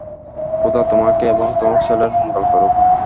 খোদা তোমাকে এবং তোমার ছেলের মঙ্গল করুক।